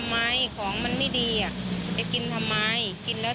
ไม่ค่ะมาเดี๋ยวเจอหน้ากันแล้ว